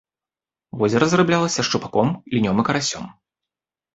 Возера зарыблялася шчупаком, лінём і карасём.